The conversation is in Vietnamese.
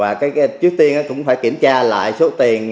và trước tiên cũng phải kiểm tra lại số tiền